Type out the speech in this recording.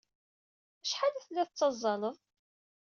Acḥal ay tellid tettazzaled?